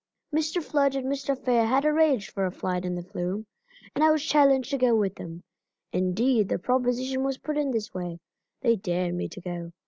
Mr. Flood and Mr. Fair had arranged for a ride in the flume, and I was challenged to go with them. Indeed the proposition was put in this way they dared me to go.